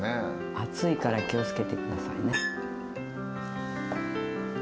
熱いから気を付けて下さいね。